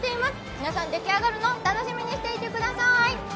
皆さん、出来上がるのを楽しみにしていてください。